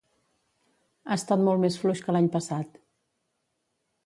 Ha estat molt més fluix que l’any passat.